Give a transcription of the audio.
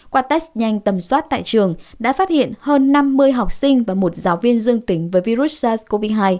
qua test nhanh tầm soát tại trường đã phát hiện hơn năm mươi học sinh và một giáo viên dương tính với virus sars cov hai